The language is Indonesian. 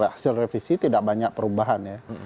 hasil revisi tidak banyak perubahan ya